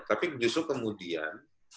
tapi justru kemudian